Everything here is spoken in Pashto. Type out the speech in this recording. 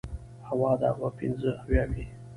هو، دا به پنځه اویا وي.